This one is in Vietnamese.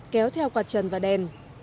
kéo theo quạt trần và đèn